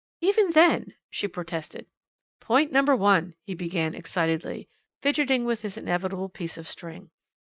"Even then " she protested. "Point number one," he began excitedly, fidgeting with his inevitable piece of string.